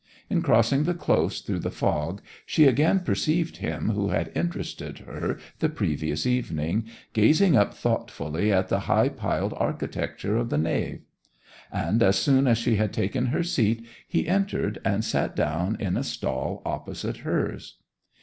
In crossing the Close through the fog she again perceived him who had interested her the previous evening, gazing up thoughtfully at the high piled architecture of the nave: and as soon as she had taken her seat he entered and sat down in a stall opposite hers.